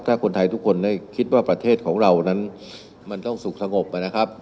ถ้าคนไทยทุกคนได้คิดว่าประเทศของเรานั้นมันต้องสุขสงบนะครับ